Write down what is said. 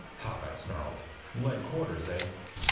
Hawkeye snarled. "Lead quarters eh?"